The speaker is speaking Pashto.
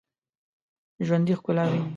ژوندي ښکلا ویني